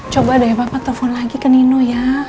coba deh ya papa telepon lagi ke nino ya